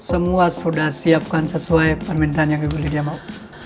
semua sudah siapkan sesuai permintaan yang ibu lydia mau